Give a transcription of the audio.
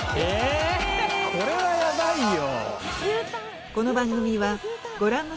これはやばいよ